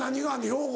兵庫。